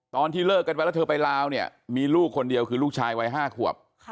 ตอนที่เลิกกันไปแล้วเธอไปลาวเนี่ยมีลูกคนเดียวคือลูกชายวัย๕ขวบ